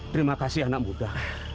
terima kasih anak muda